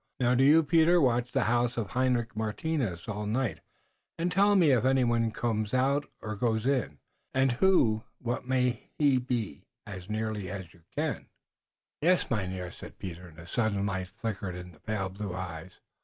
Now, do you, Peter, watch the house of Hendrik Martinus all night und tell me if anyone comes out or goes in, und who und what he may be, as nearly as you can." "Yes, Mynheer," said Peter, and a sudden light flickered in the pale blue eyes.